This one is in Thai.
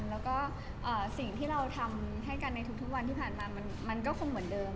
แล้วก็สิ่งที่เราทำให้กันในทุกวันที่ผ่านมามันก็คงเหมือนเดิม